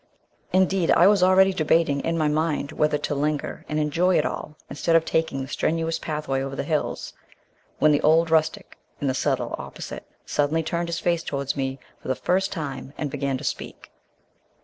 Indeed, I was already debating in my mind whether to linger and enjoy it all instead of taking the strenuous pathway over the hills, when the old rustic in the settle opposite suddenly turned his face towards me for the first time and began to speak.